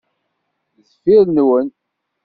Deffir-nwen.